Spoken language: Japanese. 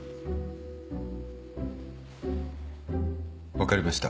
分かりました。